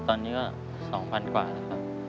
ตอนนี้ก็๒๐๐๐กว่าแล้วครับ